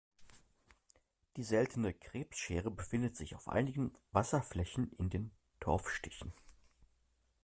Die seltene Krebsschere befindet sich auf einigen Wasserflächen in den Torfstichen.